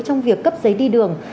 trong việc cấp giấy đi đường